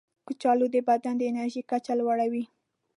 کچالو د بدن د انرژي کچه لوړوي.